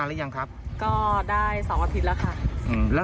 แบบนี้ลุกขึ้นแรงมากเลย